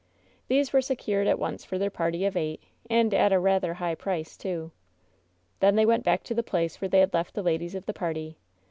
These were secured at once for their party of eight, and at a rather high price, too. Then they went back to the place where they had left the ladies of the party.